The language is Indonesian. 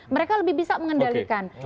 mereka lebih bisa mengendalikan